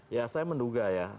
ya saya menduga ya